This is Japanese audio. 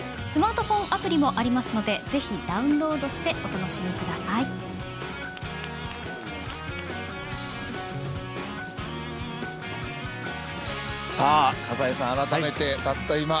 スマートフォンアプリもありますのでぜひダウンロードしてお楽しみください。